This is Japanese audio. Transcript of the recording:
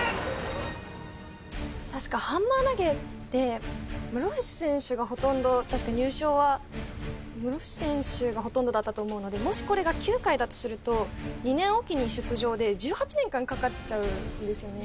確かハンマー投って室伏選手がほとんど確か入賞は室伏選手がほとんどだったと思うのでもしこれが９回だとすると２年おきに出場で１８年間かかちゃうんですよね